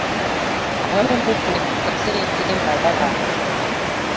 Abamu mufunye ku kasente mbalaba.